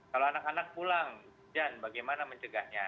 kalau anak anak pulang dan bagaimana mencegahnya